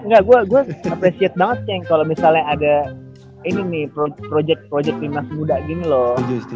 gak gua apresiasi banget ceng kalo misalnya ada ini nih project project binas muda gini loh